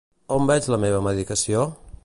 On veig la meva mediació?